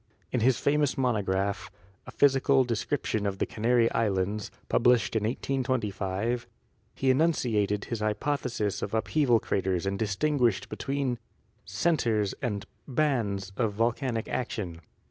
In his famous monograph, "A Physical Description of the Canary Islands," published in 1825, he enunciated his hypothesis of upheaval craters and distinguished between ''centers" and "bands" of volcanic action.